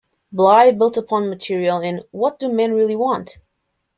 Bly built upon material in What Do Men Really Want?